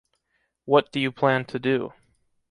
What do you plan to do?